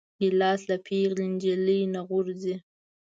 ګیلاس له پېغلې نجلۍ نه غورځي.